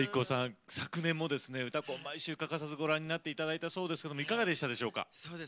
ＩＫＫＯさん、昨年も「うたコン」、毎週欠かさずご覧になっていただいたそうですけどいかがでしたでしょうか？